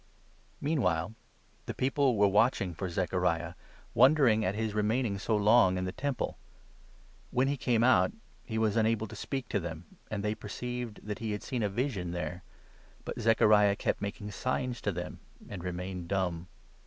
Meanwhile the people were watching for Zechariah, wonder 21 ing at his remaining so long in the Temple. When he came 22 out, he was unable to speak to them, and they perceived that he had seen a vision there. But Zechariah kept making signs to them, and remained dumb.